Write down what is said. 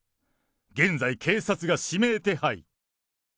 現在警察が指名手配。